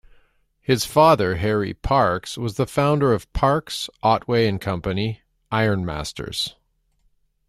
His father, Harry Parkes, was the founder of Parkes, Otway and Company, ironmasters.